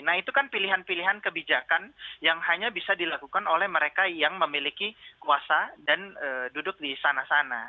nah itu kan pilihan pilihan kebijakan yang hanya bisa dilakukan oleh mereka yang memiliki kuasa dan duduk di sana sana